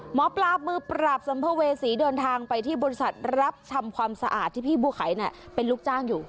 หมอปลามือปราบสัมภเวษีเดินทางไปที่บริษัทรับทำความสะอาดที่พี่บัวไขเป็นลูกจ้างอยู่